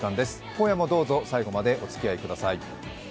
今夜もどうぞ最後までおつきあいください。